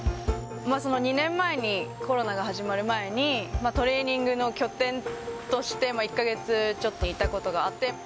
その２年前にコロナが始まる前に、トレーニングの拠点として１か月ちょっといたことがあって。